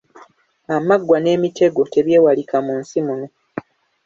Amaggwa n’emitego tebyewalika mu nsi muno.